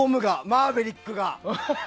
マーヴェリックが。